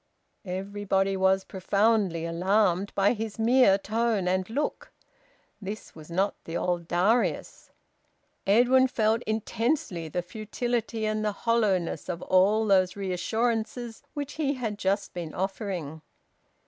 Everybody was profoundly alarmed by his mere tone and look. This was not the old Darius. Edwin felt intensely the futility and the hollowness of all those reassurances which he had just been offering.